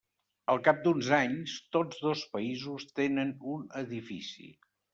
Al cap d'uns anys, tots dos països tenen un edifici.